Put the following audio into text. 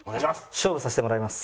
勝負させてもらいます！